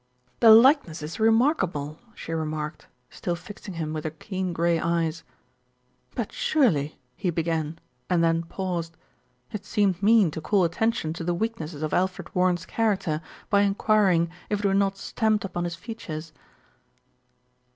"The likeness is remarkable," she remarked, still fixing him with her keen grey eyes. "But surely " he began, and then paused. It seemed mean to call attention to the weaknesses of Alfred Warren's character by enquiring if it were not stamped upon his features.